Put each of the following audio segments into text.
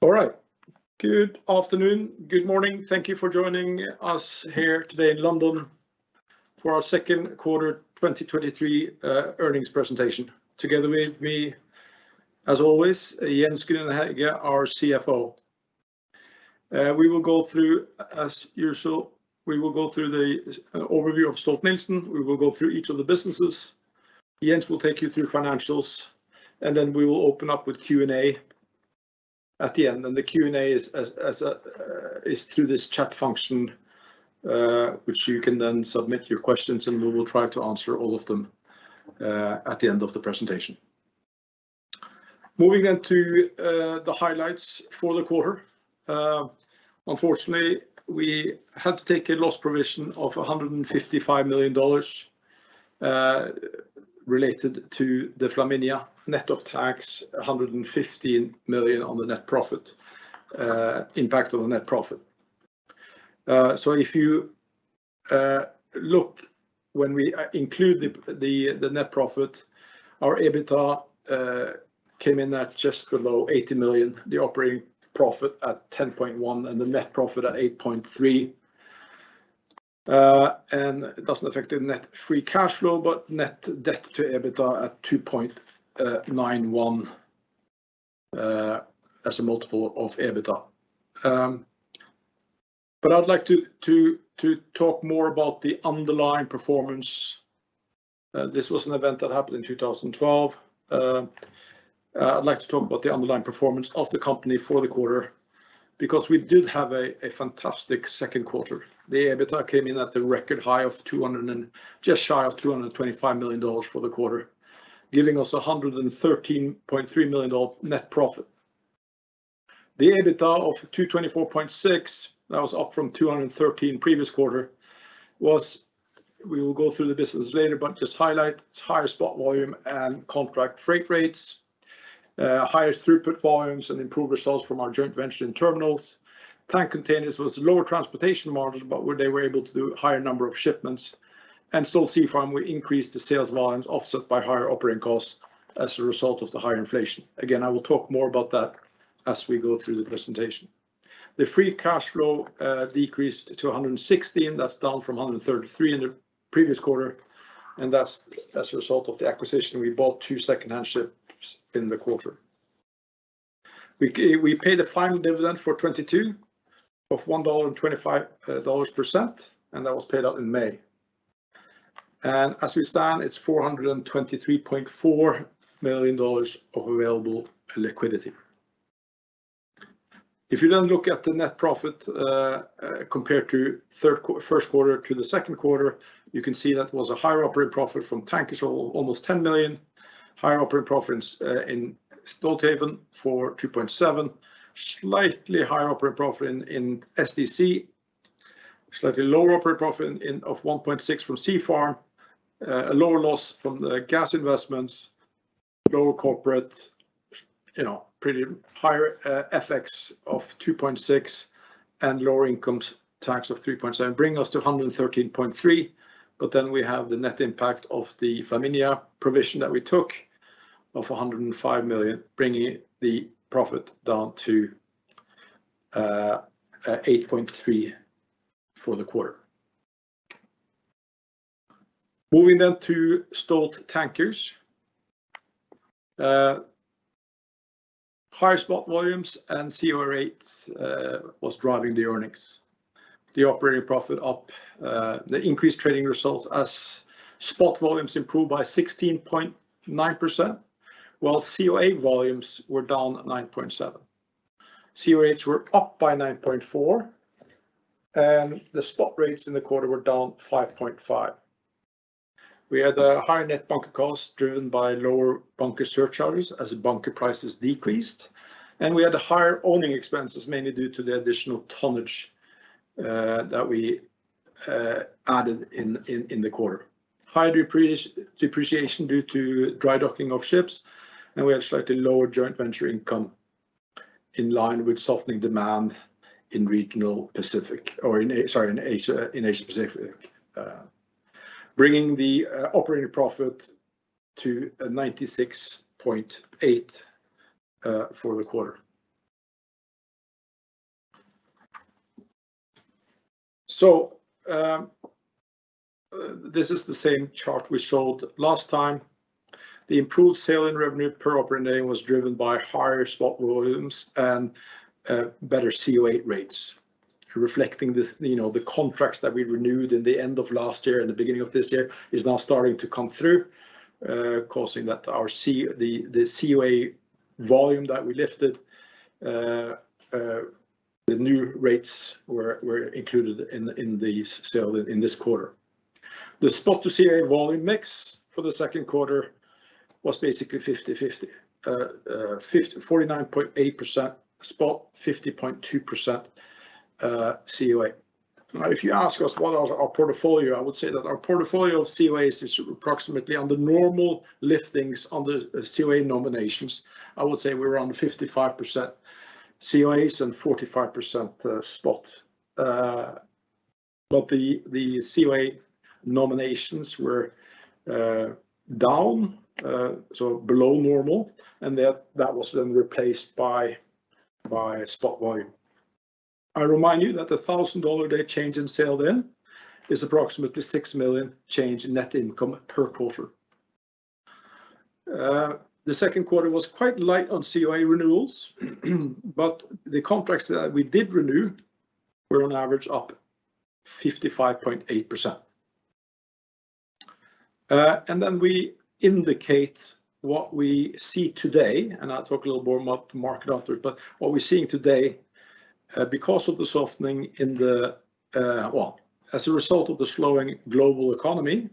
All right. Good afternoon. Good morning. Thank you for joining us here today in London for our second quarter 2023 earnings presentation. Together with me, as always, Jens Gunhaug, our CFO. We will go through, as usual, we will go through the overview of Stolt-Nielsen. We will go through each of the businesses. Jens will take you through financials, then we will open up with Q&A at the end. The Q&A is as is through this chat function, which you can then submit your questions and we will try to answer all of them at the end of the presentation. Moving on to the highlights for the quarter. Unfortunately, we had to take a loss provision of $155 million related to the Flaminia net of tax, $115 million on the net profit impact on the net profit. If you look when we include the net profit, our EBITDA came in at just below $80 million, the operating profit at $10.1 million, and the net profit at $8.3 million. It doesn't affect the net free cash flow, net debt to EBITDA at 2.91 as a multiple of EBITDA. I'd like to talk more about the underlying performance. This was an event that happened in 2012. I'd like to talk about the underlying performance of the company for the quarter because we did have a fantastic second quarter. The EBITDA came in at a record high of just shy of $225 million for the quarter, giving us a $113.3 million net profit. The EBITDA of $224.6, that was up from $213 previous quarter, we will go through the business later, but just highlight, it's higher spot volume and contract freight rates, higher throughput volumes and improved results from our joint venture in terminals. Tank containers was lower transportation margins, where they were able to do a higher number of shipments. Stolt Sea Farm, we increased the sales volumes offset by higher operating costs as a result of the higher inflation. Again, I will talk more about that as we go through the presentation. The free cash flow decreased to $116. That's down from $133 in the previous quarter, and that's as a result of the acquisition. We bought two second-hand ships in the quarter. We paid the final dividend for 2022 of $1.25 dollars per cent, and that was paid out in May. As we stand, it's $423.4 million of available liquidity. You then look at the net profit, compared to first quarter to the second quarter, you can see that was a higher operating profit from tankers of almost $10 million, higher operating profit in Stolthaven for $2.7 million, slightly higher operating profit in STC, slightly lower operating profit of $1.6 million from Stolt Sea Farm, a lower loss from the gas investments, lower corporate, you know, pretty higher FX of $2.6 million and lower incomes, tax of $3.7 million, bringing us to $113.3 million. We have the net impact of the Flaminia provision that we took of $105 million, bringing the profit down to $8.3 million for the quarter. Moving to Stolt Tankers. Higher spot volumes and COA rates was driving the earnings. The operating profit up, the increased trading results as spot volumes improved by 16.9%, while COA volumes were down at 9.7%. COA rates were up by 9.4%. The spot rates in the quarter were down 5.5%. We had a higher net bunker cost, driven by lower bunker surcharges as the bunker prices decreased, and we had higher owning expenses, mainly due to the additional tonnage that we added in the quarter. Higher depreciation due to dry docking of ships, and we have slightly lower joint venture income in line with softening demand in regional Pacific or Sorry, in Asia, in Asia Pacific, bringing the operating profit to $96.8 for the quarter. This is the same chart we showed last time. The improved sailed-in revenue per operating day was driven by higher spot volumes and better COA rates. Reflecting this, you know, the contracts that we renewed in the end of last year and the beginning of this year is now starting to come through, causing that our COA volume that we lifted, the new rates were included in the sailed-in this quarter. The spot to COA volume mix for the second quarter was basically 50-50. 49.8% spot, 50.2% COA. If you ask us what is our portfolio, I would say that our portfolio of COAs is approximately on the normal liftings on the COA nominations. I would say we're around 55% COAs and 45% spot. The COA nominations were down, so below normal, and that was then replaced by spot volume. I remind you that the $1,000 day change in sailed-in is approximately $6 million change in net income per quarter. The second quarter was quite light on COA renewals, but the contracts that we did renew were on average up 55.8%. We indicate what we see today, and I'll talk a little more about the market after. What we're seeing today, because of the softening in the well, as a result of the slowing global economy,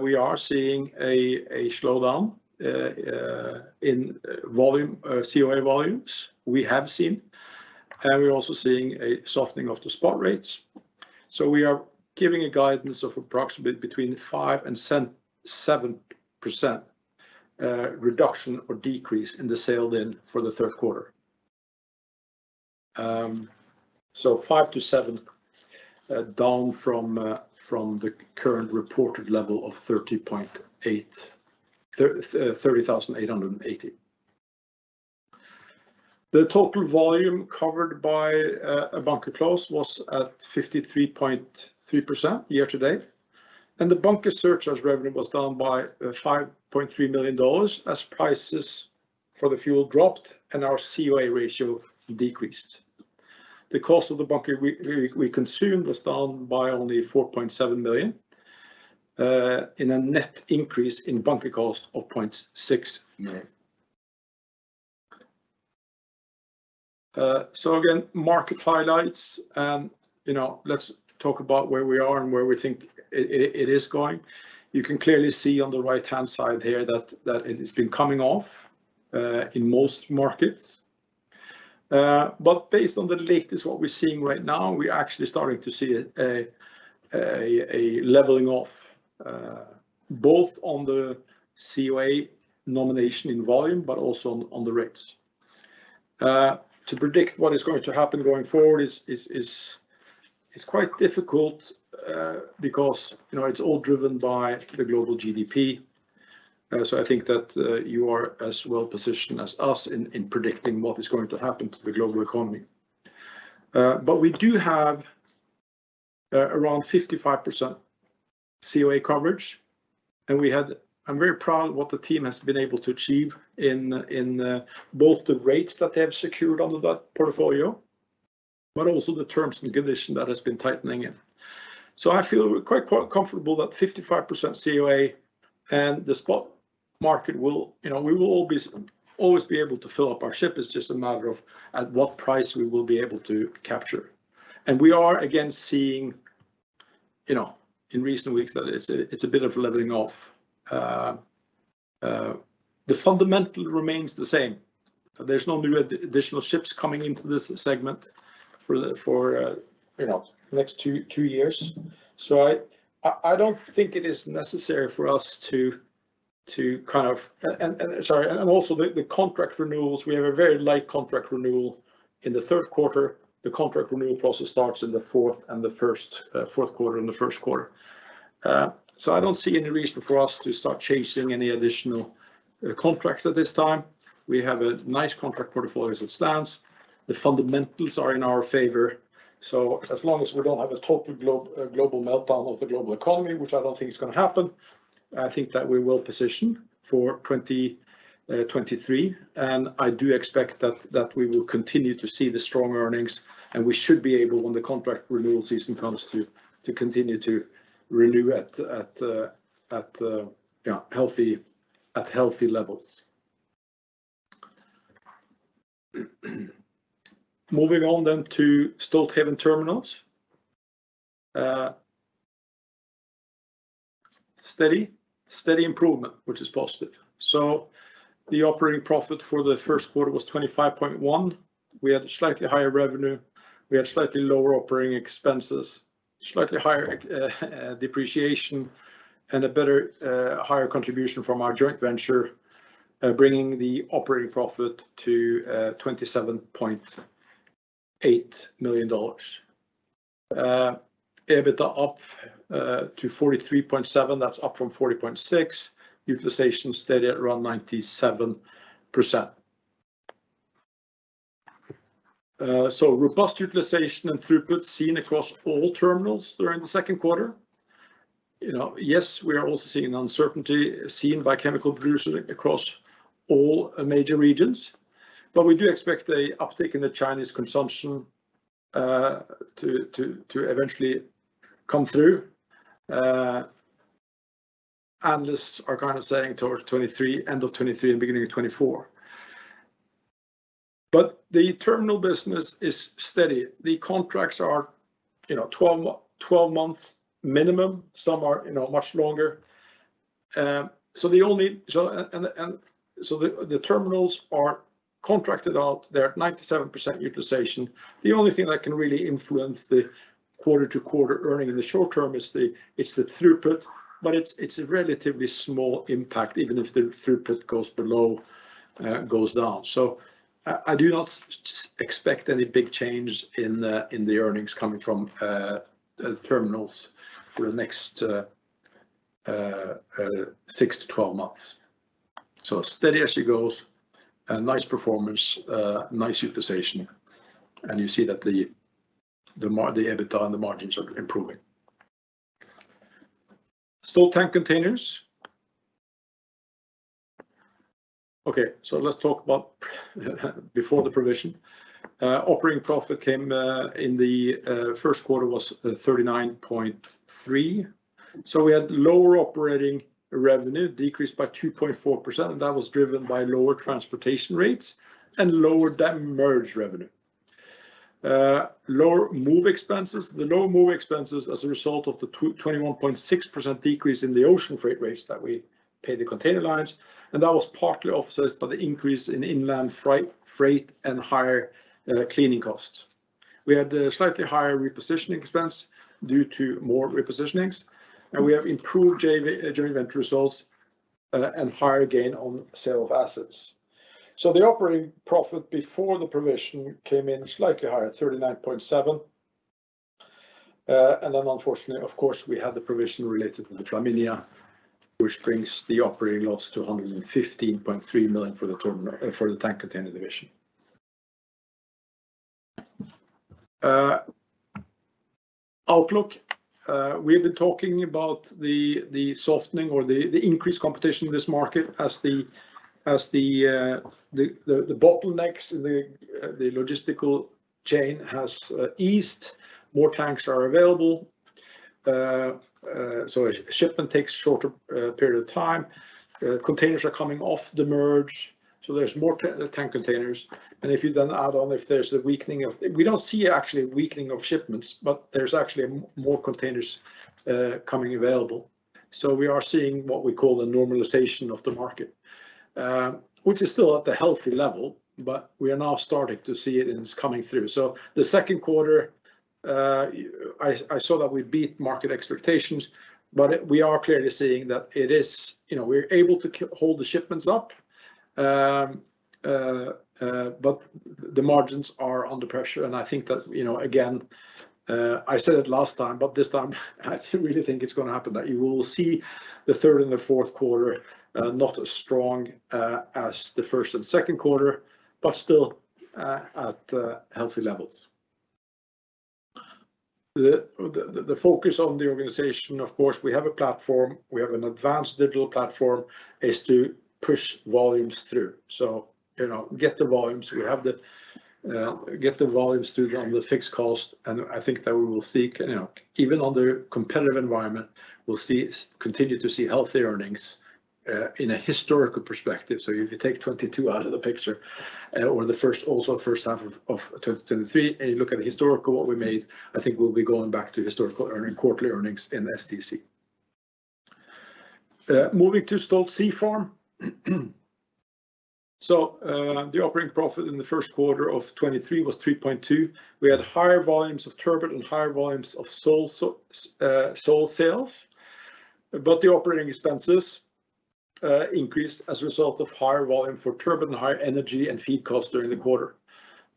we are seeing a slowdown in volume, COA volumes. We have seen, and we're also seeing a softening of the spot rates. We are giving a guidance of approximately between 5% and 7% reduction or decrease in the sailed-in for the third quarter. 5%-7% down from the current reported level of 30.8, 30,880. The total volume covered by a bunker clause was at 53.3% year to date, and the bunker surcharge revenue was down by $5.3 million as prices for the fuel dropped and our COA ratio decreased. The cost of the bunker we consumed was down by only $4.7 million in a net increase in bunker cost of $0.6 million. Again, market highlights. you know, let's talk about where we are and where we think it is going. You can clearly see on the right-hand side here that it has been coming off in most markets. Based on the latest, what we're seeing right now, we're actually starting to see a leveling off both on the COA nomination in volume, but also on the rates. To predict what is going to happen going forward is quite difficult because, you know, it's all driven by the global GDP. I think that you are as well positioned as us in predicting what is going to happen to the global economy. We do have around 55% COA coverage, and we had... I'm very proud of what the team has been able to achieve in both the rates that they have secured under that portfolio, but also the terms and condition that has been tightening in. I feel quite comfortable that 55% COA and the spot market will. You know, we will always be able to fill up our ship. It's just a matter of at what price we will be able to capture. We are again seeing, you know, in recent weeks that it's a bit of a leveling off. The fundamental remains the same. There's no new additional ships coming into this segment for the, you know, the next 2 years. I don't think it is necessary for us to kind of. Sorry, and also the contract renewals, we have a very light contract renewal in the third quarter. The contract renewal process starts in the fourth quarter and the first quarter. I don't see any reason for us to start chasing any additional contracts at this time. We have a nice contract portfolio as it stands. The fundamentals are in our favor. As long as we don't have a total global meltdown of the global economy, which I don't think is going to happen, I think that we will position for 2023. I do expect that we will continue to see the strong earnings, and we should be able, when the contract renewal season comes, to continue to renew at healthy levels. Moving on to Stolthaven Terminals. Steady improvement, which is positive. The operating profit for the first quarter was $25.1 million. We had slightly higher revenue, we had slightly lower operating expenses, slightly higher depreciation, and a better, higher contribution from our joint venture, bringing the operating profit to $27.8 million. EBITDA up to $43.7 million, that's up from $40.6 million. Utilization steady at around 97%. Robust utilization and throughput seen across all terminals during the second quarter. You know, yes, we are also seeing uncertainty seen by chemical producers across all major regions, but we do expect a uptick in the Chinese consumption to eventually come through. Analysts are kind of saying towards 2023, end of 2023 and beginning of 2024. The terminal business is steady. The contracts are, you know, 12 months minimum. Some are, you know, much longer. The, the terminals are contracted out. They're at 97% utilization. The only thing that can really influence the quarter-to-quarter earning in the short term is the, it's the throughput, but it's a relatively small impact, even if the throughput goes below, goes down. I do not expect any big change in the, in the earnings coming from the terminals for the next 6 to 12 months. Steady as she goes, and nice performance, nice utilization. You see that the EBITDA and the margins are improving. Stolt Tank Containers. Okay, let's talk about before the provision. Operating profit came in the first quarter was $39.3. We had lower operating revenue, decreased by 2.4%, and that was driven by lower transportation rates and lower demurrage revenue. Lower move expenses. The lower move expenses as a result of the 21.6% decrease in the ocean freight rates that we paid the container lines, and that was partly offset by the increase in inland freight and higher cleaning costs. We had a slightly higher repositioning expense due to more repositionings, and we have improved JV, joint venture results and higher gain on sale of assets. The operating profit before the provision came in slightly higher at $39.7. Unfortunately, of course, we had the provision related to the Flaminia, which brings the operating loss to $115.3 million for the total for the Tank Container division. Outlook. We've been talking about the softening or the increased competition in this market as the bottlenecks in the logistical chain has eased. More tanks are available. Shipment takes shorter period of time. Containers are coming off demurrage, there's more tank containers. If you then add on, if there's a weakening of. We don't see actually a weakening of shipments, but there's actually more containers coming available. We are seeing what we call a normalization of the market, which is still at a healthy level, but we are now starting to see it, and it's coming through. The second quarter, I saw that we beat market expectations, but we are clearly seeing that it is. You know, we're able to hold the shipments up. The margins are under pressure, and I think that, you know, again, I said it last time, but this time I really think it's going to happen, that you will see the third and the fourth quarter, not as strong as the first and second quarter, but still at healthy levels. The focus on the organization, of course, we have a platform, we have an advanced digital platform, is to push volumes through. You know, get the volumes. We have the, get the volumes through on the fixed cost, and I think that we will see, you know, even on the competitive environment, we'll see, continue to see healthy earnings in a historical perspective. If you take 2022 out of the picture, or the first, also first half of 2023, and you look at the historical, what we made, I think we'll be going back to historical quarterly earnings in STC. Moving to Stolt Sea Farm. The operating profit in the first quarter of 2023 was $3.2. We had higher volumes of turbot and higher volumes of sole sales. The operating expenses increased as a result of higher volume for turbot and higher energy and feed costs during the quarter.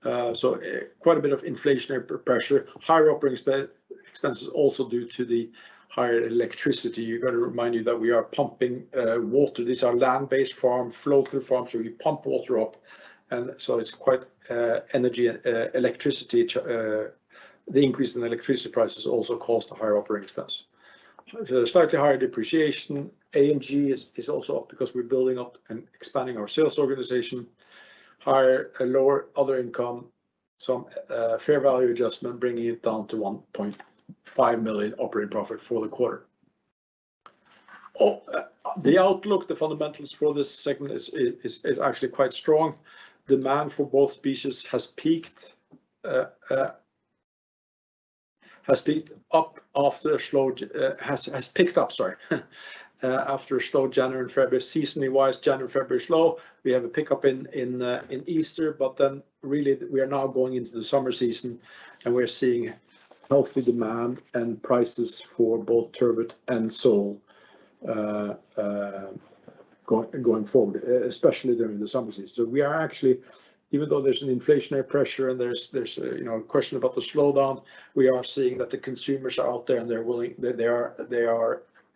Quite a bit of inflationary pressure. Higher operating expenses also due to the higher electricity. You got to remind you that we are pumping water. These are land-based farm, flow-through farm, so we pump water up, and so it's quite energy, electricity. The increase in electricity prices also caused a higher operating expense. The slightly higher depreciation, A&G is also up because we're building up and expanding our sales organization. Higher and lower other income, some fair value adjustment, bringing it down to $1.5 million operating profit for the quarter. The outlook, the fundamentals for this segment is actually quite strong. Demand for both species has picked up, sorry, after a slow January and February. Seasonally wise, January and February are slow. We have a pickup in Easter. Really, we are now going into the summer season, and we're seeing healthy demand and prices for both turbot and sole going forward, especially during the summer season. We are actually, even though there's an inflationary pressure and there's a, you know, a question about the slowdown, we are seeing that the consumers are out there, and they're willing, that they are,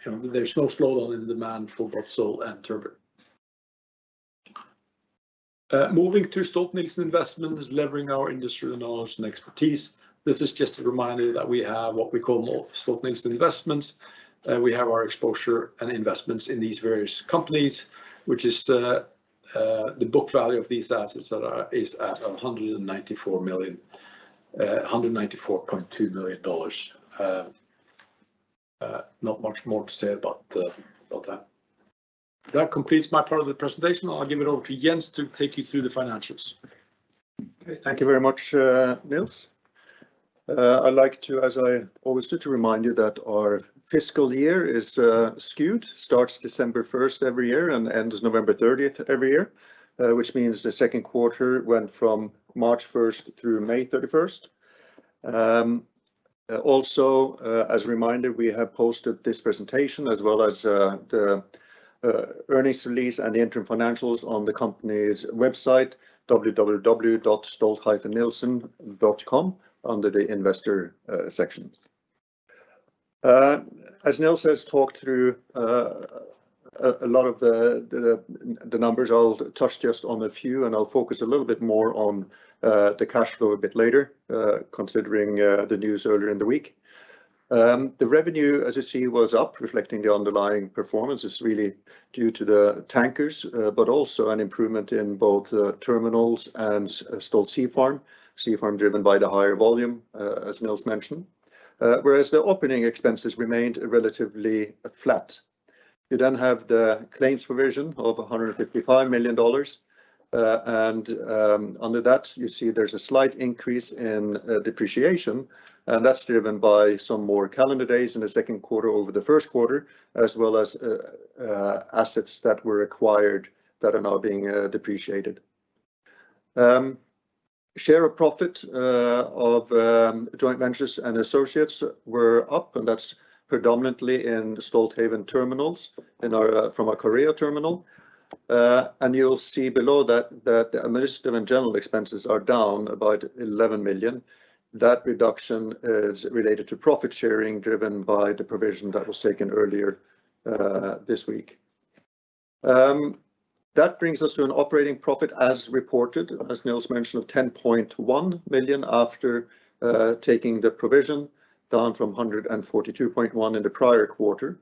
you know. There's no slowdown in demand for both sole and turbot. Moving to Stolt Investments is leveraging our industry knowledge and expertise. This is just a reminder that we have what we call more Stolt Investments. We have our exposure and investments in these various companies, which is, the book value of these assets is at $194.2 million. Not much more to say about that. That completes my part of the presentation. I'll give it over to Jens to take you through the financials. Thank you very much, Nils. I'd like to, as I always do, to remind you that our fiscal year is skewed, starts December 1st every year and ends November 30th every year. Which means the 2nd quarter went from March 1st through May 31st. Also, as a reminder, we have posted this presentation as well as the earnings release and the interim financials on the company's website, www.stolt-nielsen.com, under the investor section. As Nils has talked through a lot of the numbers, I'll touch just on a few, and I'll focus a little bit more on the cash flow a bit later, considering the news earlier in the week. The revenue, as you see, was up, reflecting the underlying performance is really due to the tankers, but also an improvement in both, Terminals and Stolt Sea Farm, driven by the higher volume, as Nils mentioned. Whereas the opening expenses remained relatively flat. You then have the claims provision of $155 million. Under that, you see there's a slight increase in depreciation, and that's driven by some more calendar days in the second quarter over the first quarter, as well as assets that were acquired that are now being depreciated. Share of profit of joint ventures and associates were up, and that's predominantly in the Stolthaven Terminals in our, from our Karratha terminal. You'll see below that Administrative and general expenses are down about $11 million. That reduction is related to profit sharing, driven by the provision that was taken earlier, this week. That brings us to an operating profit as reported, as Nils mentioned, of $10.1 million after taking the provision, down from $142.1 million in the prior quarter.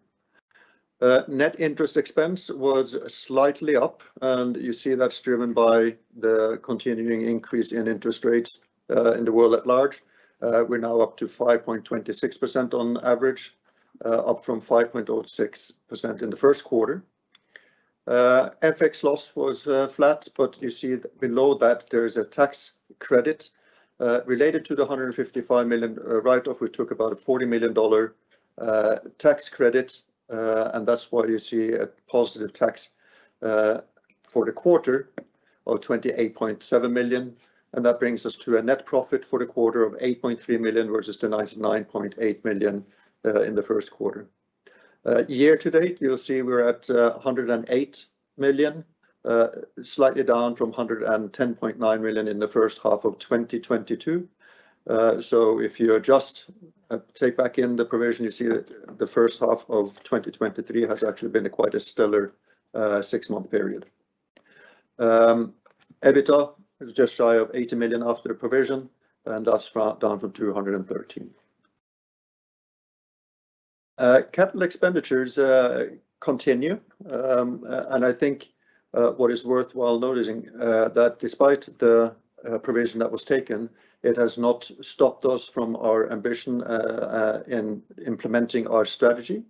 Net interest expense was slightly up, and you see that's driven by the continuing increase in interest rates in the world at large. We're now up to 5.26% on average, up from 5.06% in the first quarter. FX loss was flat, but you see below that there is a tax credit related to the $155 million write-off. We took about a $40 million tax credit. That's why you see a positive tax for the quarter of $28.7 million. That brings us to a net profit for the quarter of $8.3 million, versus the $99.8 million in the first quarter. Year to date, you'll see we're at $108 million, slightly down from $110.9 million in the first half of 2022. If you adjust, take back in the provision, you see that the first half of 2023 has actually been quite a stellar six-month period. EBITDA is just shy of $80 million after the provision, and that's down from $213 million. Capital expenditures continue. I think what is worthwhile noticing that despite the provision that was taken, it has not stopped us from our ambition in implementing our strategy.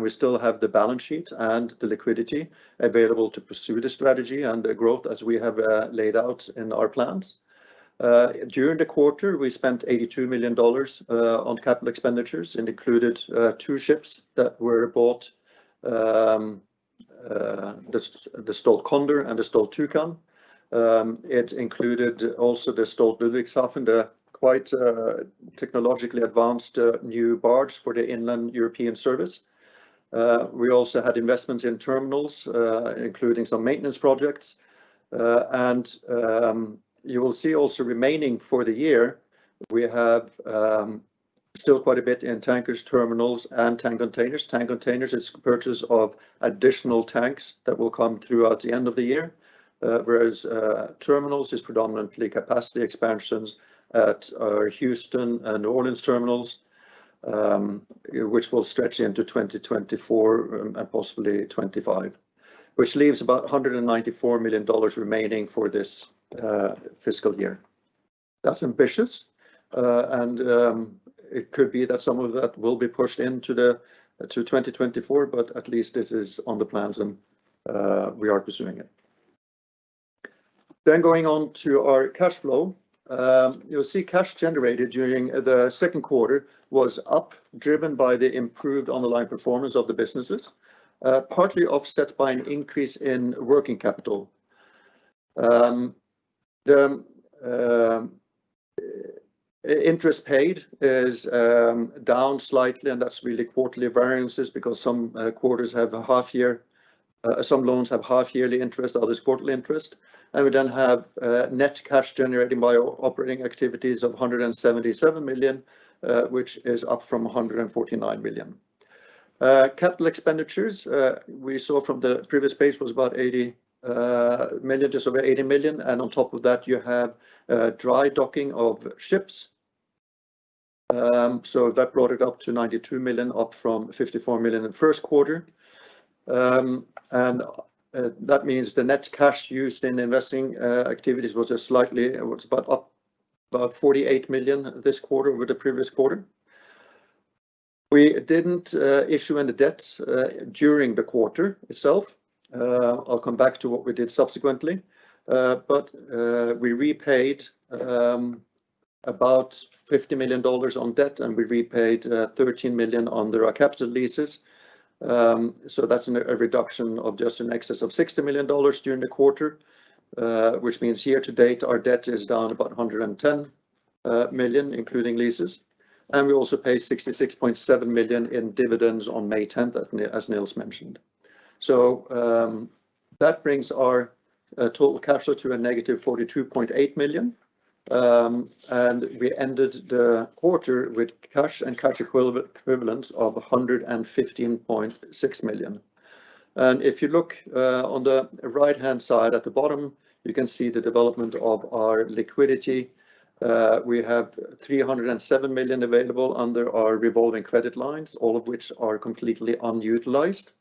We still have the balance sheet and the liquidity available to pursue the strategy and the growth as we have laid out in our plans. During the quarter, we spent $82 million on CapEx and included two ships that were bought. The Stolt Condor and the Stolt Toucan. It included also the Stolt Ludwigshafen, the quite technologically advanced new barge for the inland European service. We also had investments in terminals, including some maintenance projects. You will see also remaining for the year, we have still quite a bit in tankers, terminals, and tank containers. Tank Containers is purchase of additional tanks that will come throughout the end of the year. Whereas, Terminals is predominantly capacity expansions at our Houston and New Orleans terminals, which will stretch into 2024 and possibly 25, which leaves about $194 million remaining for this fiscal year. That's ambitious, and it could be that some of that will be pushed to 2024, but at least this is on the plans, and we are pursuing it. Going on to our cash flow. You'll see cash generated during the second quarter was up, driven by the improved underlying performance of the businesses, partly offset by an increase in working capital. The interest paid is down slightly. That's really quarterly variances because some quarters have half yearly interest, others, quarterly interest. We have net cash generated by operating activities of $177 million, which is up from $149 million. Capital expenditures, we saw from the previous page, was about $80 million, just over $80 million. On top of that, you have dry docking of ships. That brought it up to $92 million, up from $54 million in the first quarter. That means the net cash used in investing activities was up about $48 million this quarter over the previous quarter. We didn't issue any debt during the quarter itself. I'll come back to what we did subsequently. We repaid about $50 million on debt, and we repaid $13 million on the capital leases. That's a reduction of just in excess of $60 million during the quarter, which means year-to-date, our debt is down about $110 million, including leases, and we also paid $66.7 million in dividends on May 10th, as Nils mentioned. That brings our total cash flow to a negative $42.8 million. We ended the quarter with cash and cash equivalents of $115.6 million. If you look on the right-hand side at the bottom, you can see the development of our liquidity. We have $307 million available under our revolving credit lines, all of which are completely unutilized.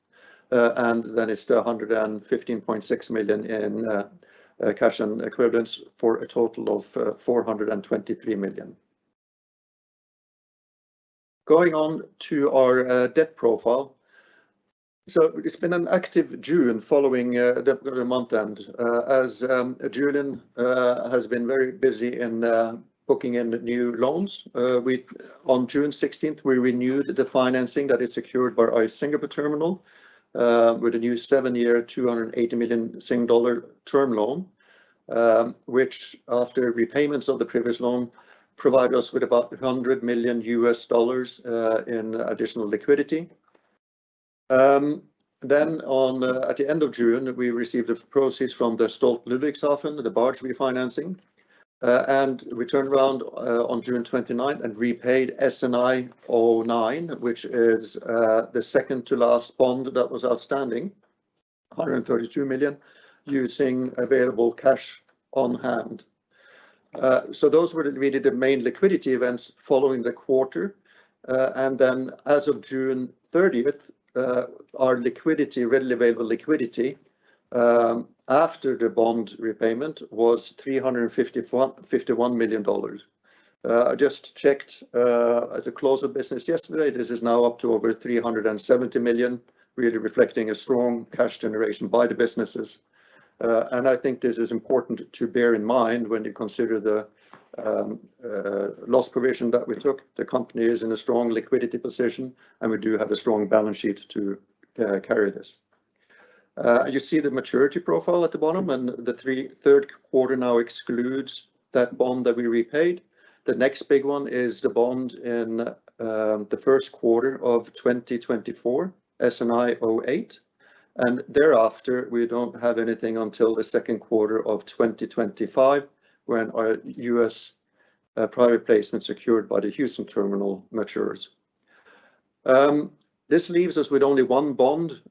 It's the $115.6 million in cash and equivalents for a total of $423 million. Going on to our debt profile, it's been an active June following the month end. June has been very busy in booking in the new loans. On June 16th, we renewed the financing that is secured by our Singapore terminal with a new seven-year, 280 million dollar term loan. Which after repayments of the previous loan, provided us with about $100 million in additional liquidity. At the end of June, we received the proceeds from the Stolt Ludwigshafen, the barge refinancing. We turned around on June 29th and repaid SNI09, which is the second to last bond that was outstanding, $132 million, using available cash on hand. Those were really the main liquidity events following the quarter. As of June 30th, our liquidity, readily available liquidity, after the bond repayment was $351 million. I just checked as a close of business yesterday, this is now up to over $370 million, really reflecting a strong cash generation by the businesses. I think this is important to bear in mind when you consider the loss provision that we took. The company is in a strong liquidity position. We do have a strong balance sheet to carry this. You see the maturity profile at the bottom. The 3rd quarter now excludes that bond that we repaid. The next big one is the bond in the 1st quarter of 2024, SNI08, and thereafter, we don't have anything until the 2nd quarter of 2025, when our U.S. private placement secured by the Houston terminal matures. This leaves us with only one bond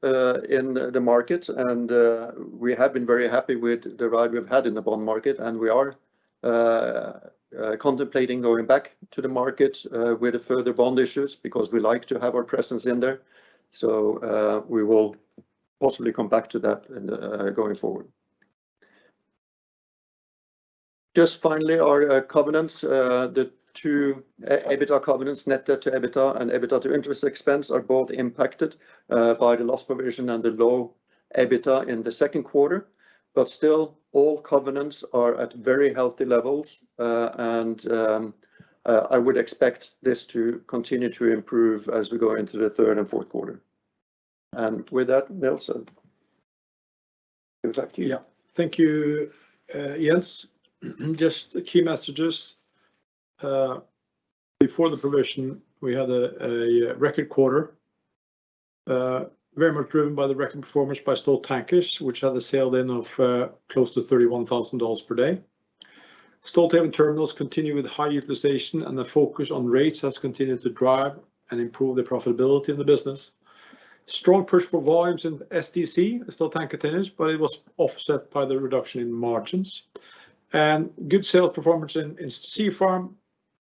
in the market, and we have been very happy with the ride we've had in the bond market, and we are contemplating going back to the market with the further bond issues, because we like to have our presence in there. We will possibly come back to that in the going forward. Just finally, our covenants, the two EBITDA covenants, net debt to EBITDA and EBITDA to interest expense are both impacted by the loss provision and the low EBITDA in the second quarter. Still, all covenants are at very healthy levels. I would expect this to continue to improve as we go into the third and fourth quarter. With that, Nils, over to you. Yeah. Thank you, Jens. Just the key messages. Before the provision, we had a record quarter, very much driven by the record performance by Stolt-Tankers, which had a sailed-in of close to $31,000 per day. Stolt-Terminals continue with high utilization, the focus on rates has continued to drive and improve the profitability in the business. Strong push for volumes in STC, Stolt Tank Containers, it was offset by the reduction in margins and good sales performance in Seafarm,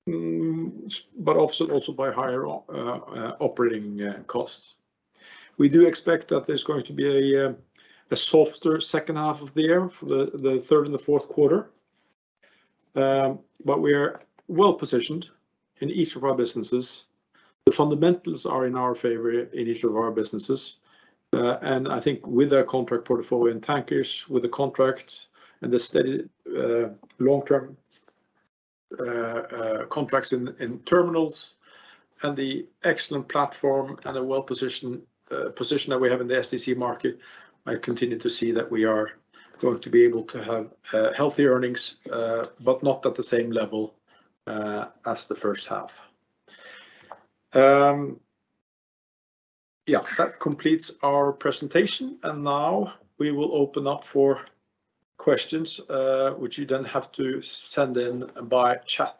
but also by higher operating costs. We do expect that there's going to be a softer second half of the year for the third and fourth quarter. We are well-positioned in each of our businesses. The fundamentals are in our favor in each of our businesses, and I think with our contract portfolio in Tankers, with the contract and the steady, long-term, contracts in Terminals, and the excellent platform and a well-positioned, position that we have in the STC market, I continue to see that we are going to be able to have healthy earnings, but not at the same level as the first half. Yeah, that completes our presentation. Now we will open up for questions, which you then have to send in by chat.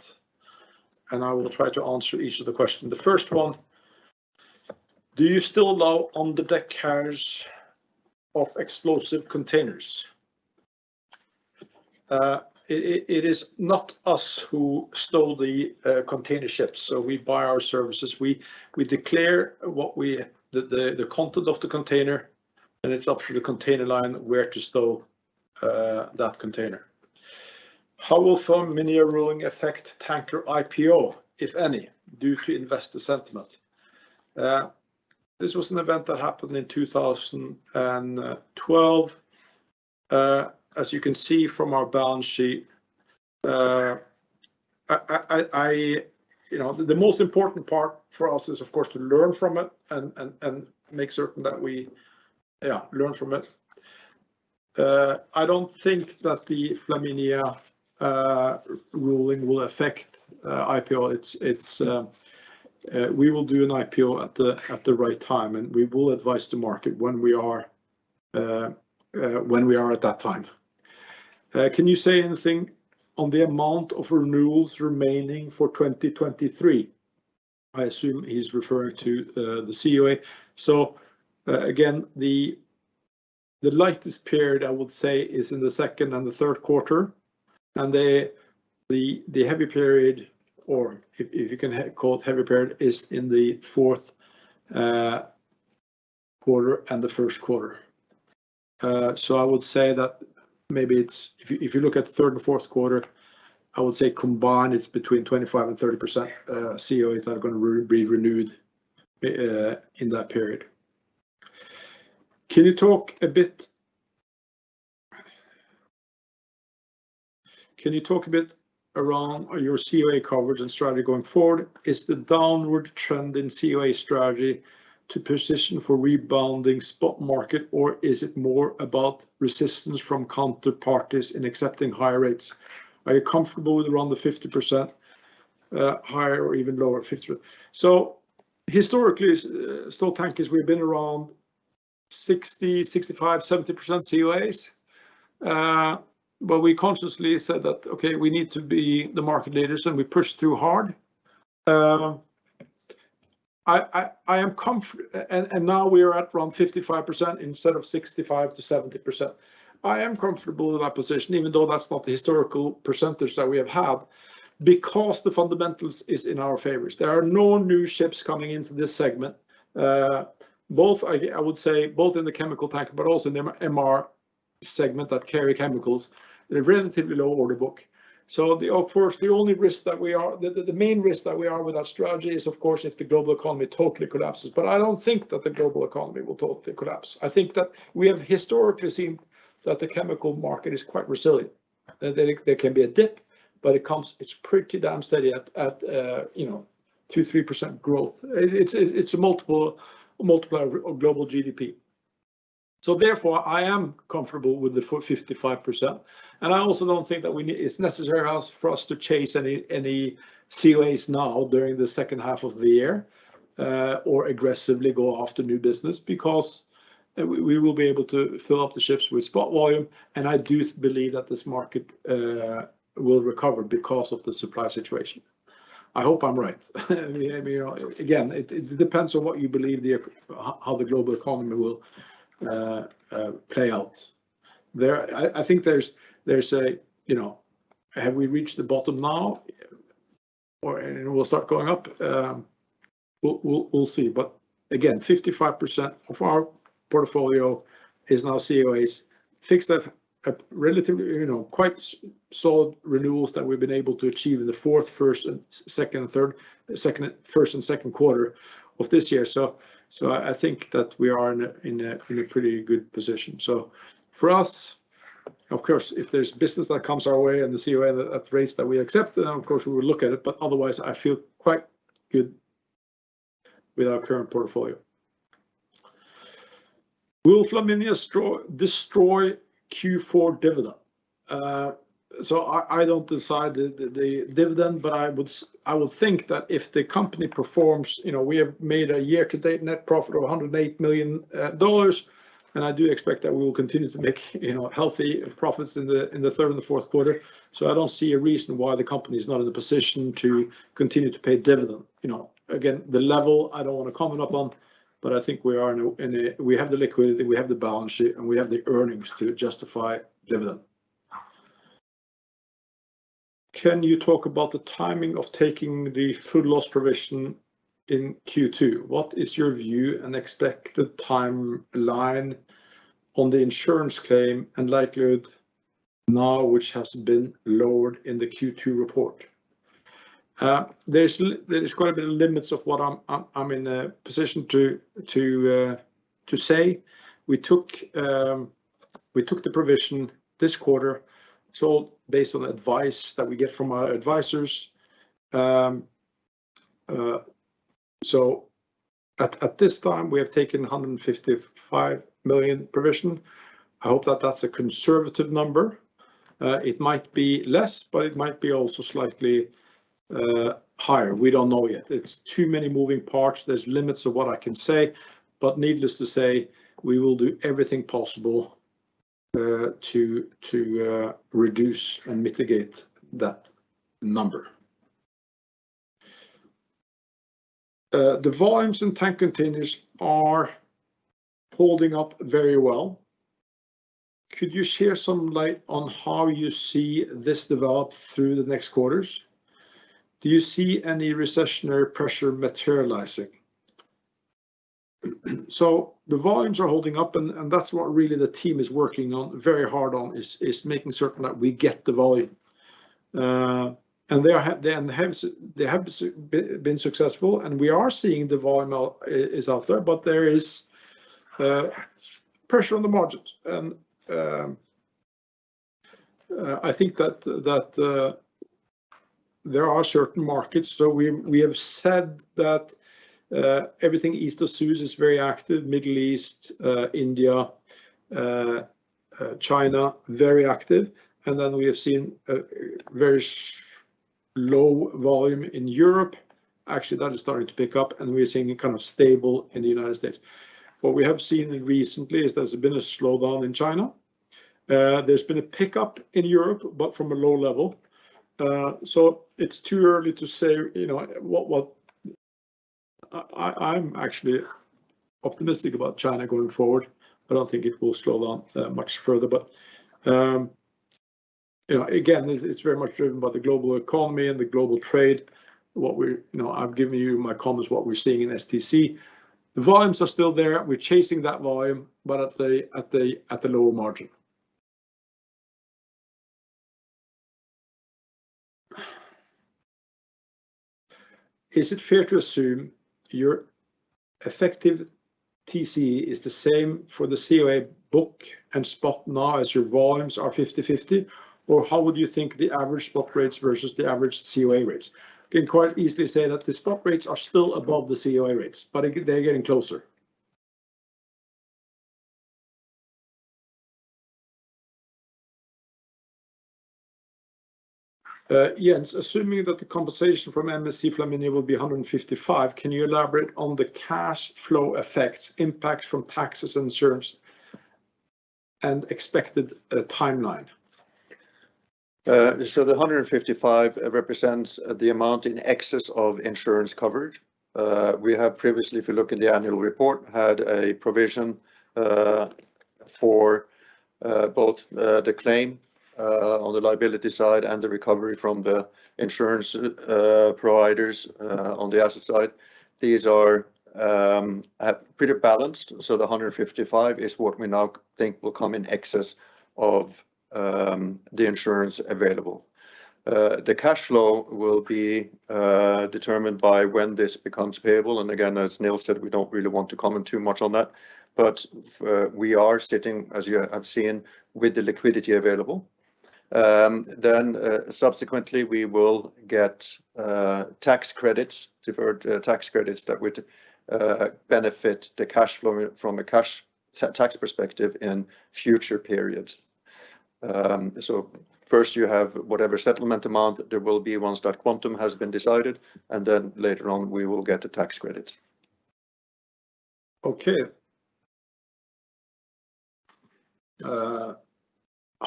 I will try to answer each of the questions. The first one: Do you still allow on-deck carriers of explosive containers? It is not us who stow the container ships, so we buy our services. We declare what we... The content of the container, it's up to the container line where to stow that container. How will MSC Flaminia ruling affect Tanker IPO, if any, due to investor sentiment? This was an event that happened in 2012. As you can see from our balance sheet, you know, the most important part for us is, of course, to learn from it and make certain that we learn from it. I don't think that the Flaminia ruling will affect IPO. It's, we will do an IPO at the right time, we will advise the market when we are at that time. Can you say anything on the amount of renewals remaining for 2023?" I assume he's referring to the COA. Again, the lightest period, I would say, is in the second and the third quarter, and the heavy period, or if you can call it heavy period, is in the fourth quarter and the first quarter. I would say that maybe it's If you look at third and fourth quarter, I would say combined, it's between 25% and 30% COAs that are going to be renewed in that period. "Can you talk a bit around your COA coverage and strategy going forward? Is the downward trend in COA strategy to position for rebounding spot market, or is it more about resistance from counterparties in accepting higher rates? Are you comfortable with around the 50% higher or even lower 50%? Historically, Stolt Tankers, we've been around 60%, 65%, 70% COAs. We consciously said that, "Okay, we need to be the market leaders," and we pushed too hard. Now we are at around 55% instead of 65%-70%. I am comfortable in that position, even though that's not the historical percentage that we have had, because the fundamentals is in our favors. There are no new ships coming into this segment. Both I would say both in the chemical tanker, but also in the MR segment that carry chemicals, they're relatively low order book. The, of course, the only risk that we are the main risk that we are with our strategy is, of course, if the global economy totally collapses. I don't think that the global economy will totally collapse. I think that we have historically seen that the chemical market is quite resilient, that there can be a dip, but it's pretty damn steady at, you know, 2%, 3% growth. It's a multiple of global GDP. Therefore, I am comfortable with the 55%, and I also don't think that we need, it's necessary us, for us to chase any COAs now during the second half of the year, or aggressively go after new business, because we will be able to fill up the ships with spot volume, and I do believe that this market will recover because of the supply situation. I hope I'm right. I mean, again, it depends on what you believe how the global economy will play out. There I think there's a, you know, have we reached the bottom now, or, and it will start going up? We'll see. Again, 55% of our portfolio is now COAs. I think that a relatively, you know, quite solid renewals that we've been able to achieve in the fourth, first, and second and third, second, first and second quarter of this year. I think that we are in a pretty good position. For us, of course, if there's business that comes our way and the COA at rates that we accept, then of course, we will look at it, but otherwise, I feel quite good with our current portfolio. Will Flaminia destroy Q4 dividend?" I don't decide the dividend, but I would think that if the company performs, you know, we have made a year-to-date net profit of $108 million, and I do expect that we will continue to make, you know, healthy profits in the third and the fourth quarter. I don't see a reason why the company is not in a position to continue to pay dividend. You know, again, the level, I don't want to comment upon, but I think we are in a we have the liquidity, we have the balance sheet, and we have the earnings to justify dividend. "Can you talk about the timing of taking the full loss provision in Q2? What is your view and expected timeline on the insurance claim and likelihood now, which has been lowered in the Q2 report? There's going to be limits of what I'm in a position to say. We took the provision this quarter, based on advice that we get from our advisors. At this time, we have taken a $155 million provision. I hope that that's a conservative number. It might be less, it might be also slightly higher. We don't know yet. It's too many moving parts. There's limits to what I can say, needless to say, we will do everything possible to reduce and mitigate that number. The volumes in tank containers are holding up very well. Could you share some light on how you see this develop through the next quarters? Do you see any recessionary pressure materializing? The volumes are holding up, and that's what really the team is working on, very hard on, is making certain that we get the volume. And they have been successful, and we are seeing the volume out, is out there, but there is pressure on the margins. I think that there are certain markets. We have said that everything east of Suez is very active, Middle East, India, China, very active. We have seen a very low volume in Europe. Actually, that is starting to pick up, and we are seeing it kind of stable in the United States. What we have seen recently is there's been a slowdown in China. There's been a pickup in Europe from a low level. It's too early to say, you know, I'm actually optimistic about China going forward. I don't think it will slow down much further, you know, again, it's very much driven by the global economy and the global trade. You know, I've given you my comments, what we're seeing in STC. The volumes are still there. We're chasing that volume at the lower margin. Is it fair to assume your effective TCE is the same for the COA book and spot now as your volumes are 50/50? How would you think the average spot rates versus the average COA rates? Can quite easily say that the spot rates are still above the COA rates, but they're getting closer. Jens Gunhaug, assuming that the compensation from MSC Flaminia will be $155, can you elaborate on the cash flow effects, impact from taxes and insurance and expected timeline? The $155 represents the amount in excess of insurance coverage. We have previously, if you look in the annual report, had a provision for both the claim on the liability side and the recovery from the insurance providers on the asset side. These are pretty balanced, so the $155 is what we now think will come in excess of the insurance available. The cash flow will be determined by when this becomes payable. Again, as Nils said, we don't really want to comment too much on that. We are sitting, as you have seen, with the liquidity available. Subsequently, we will get tax credits, deferred tax credits that would benefit the cash flow from a cash tax perspective in future periods. First you have whatever settlement amount there will be once that quantum has been decided, later on we will get the tax credit. Okay.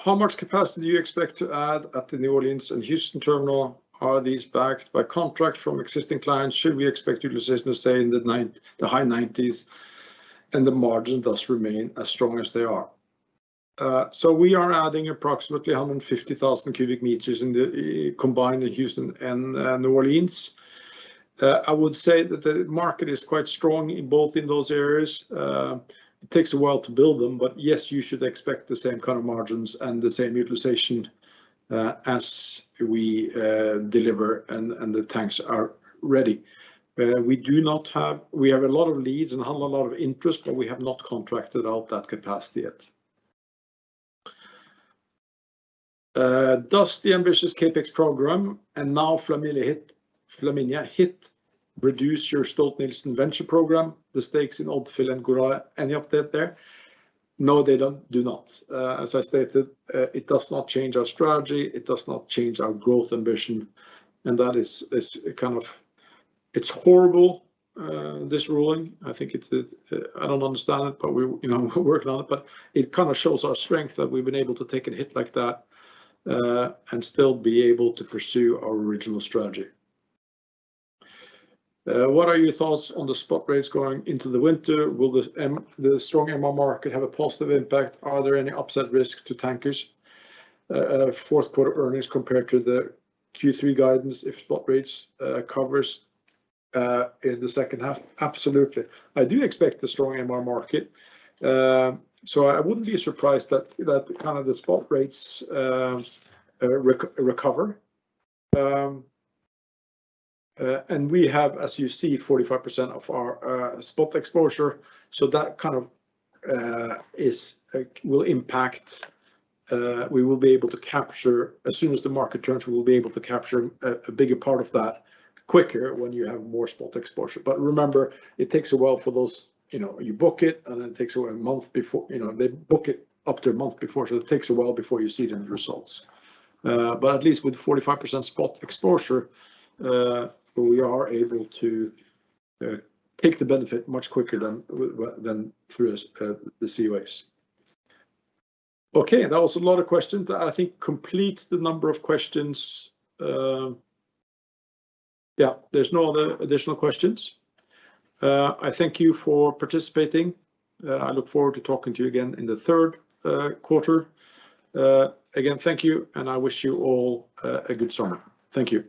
How much capacity do you expect to add at the New Orleans and Houston terminal? Are these backed by contract from existing clients? Should we expect your decision to say in the high 90s and the margin thus remain as strong as they are? We are adding approximately 150,000 cubic meters in the combined in Houston and New Orleans. I would say that the market is quite strong in both in those areas. It takes a while to build them, but yes, you should expect the same kind of margins and the same utilization as we deliver and the tanks are ready. We have a lot of leads and a lot of interest, but we have not contracted out that capacity yet. Does the ambitious CapEx program and now Flaminia hit reduce your Stolt-Nielsen venture program, the stakes in Odfjell and Golar, any update there? No, they don't, do not. As I stated, it does not change our strategy, it does not change our growth ambition. That is kind of. It's horrible, this ruling. I think it's, I don't understand it, but we, you know, we're working on it. It kinda shows our strength that we've been able to take a hit like that and still be able to pursue our original strategy. What are your thoughts on the spot rates going into the winter? Will the strong MR market have a positive impact? Are there any upside risks to Tankers, fourth quarter earnings compared to the Q3 guidance if spot rates covers in the second half? Absolutely. I do expect the strong MR market, I wouldn't be surprised that that kind of the spot rates recover. We have, as you see, 45% of our spot exposure, that kind of is will impact. We will be able to capture as soon as the market turns, we will be able to capture a bigger part of that quicker when you have more spot exposure. Remember, it takes a while for those, you know, you book it, then it takes a month before, you know, they book it up to a month before, it takes a while before you see the results. At least with 45% spot exposure, we are able to take the benefit much quicker than through the COAs. Okay, that was a lot of questions. That I think completes the number of questions. Yeah, there's no other additional questions. I thank you for participating. I look forward to talking to you again in the third quarter. Again, thank you, and I wish you all a good summer. Thank you.